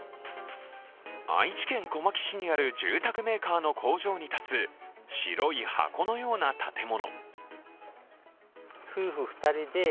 愛知県小牧市にある住宅メーカーの工場に建つ、白い箱のような建物。